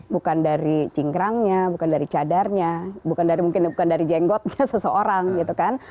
bukan dari cingkrangnya bukan dari cadarnya bukan dari jenggotnya seseorang gitu kan